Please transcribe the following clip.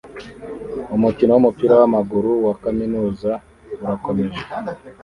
Umukino wumupira wamaguru wa kaminuza urakomeje